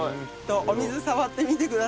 お水触ってみてください。